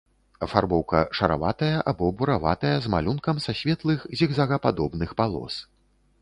Афарбоўка шараватая або бураватая з малюнкам са светлых зігзагападобных палос.